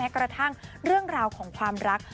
กระทั่งเรื่องราวของความรัก